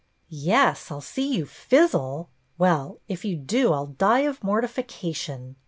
" Yes, I 'll see you fizzle. Well, if you do I 'll die of mortification.